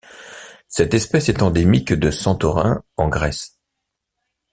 Cette espèce est endémique de Santorin en Grèce.